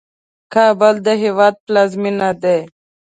کابل د هیواد پلازمېنه ده.